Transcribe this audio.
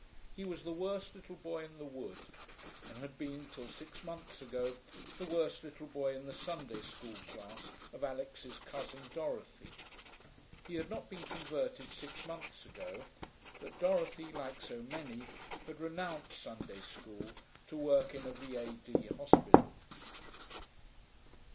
He was the worst little boy in the wood, and had been till six months ago the worst little boy in the Sunday school class of Alix's cousin Dorothy. He had not been converted six months ago, but Dorothy, like so many, had renounced Sunday school to work in a V.A.D. hospital.